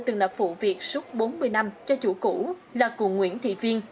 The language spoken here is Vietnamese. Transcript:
từng là phụ việc suốt bốn mươi năm cho chủ cũ là cụ nguyễn thị viên